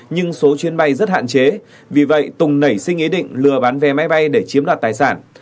nhưng số chuyến bay rất hạn chế vì vậy tùng nảy sinh ý định lừa bán vé máy bay để chiếm đoạt tài sản